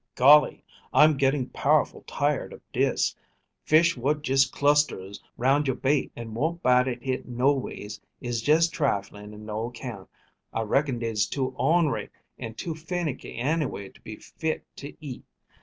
"GOLLY! I'm getting powerful tired ob dis. Fish what just clusterers 'round youah bait an' won't bite at hit noways is jest trifling and noaccount. I reckon dey's too ornery an' too finiky anyway to be fit to eat.